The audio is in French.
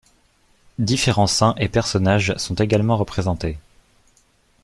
Différents saints et personnages sont également représentés.